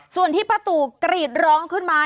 ส่วนที่ป้าตูกรีดร้องขึ้นมา